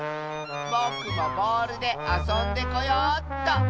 ぼくもボールであそんでこようっと。